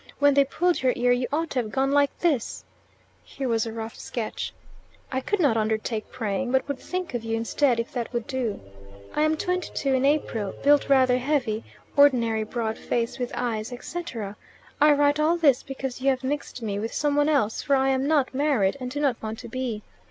When they pulled your ear, you ought to have gone like this (here was a rough sketch). I could not undertake praying, but would think of you instead, if that would do. I am twenty two in April, built rather heavy, ordinary broad face, with eyes, etc. I write all this because you have mixed me with some one else, for I am not married, and do not want to be.